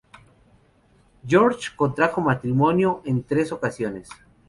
Georges, contrajo matrimonio en tres ocasiones.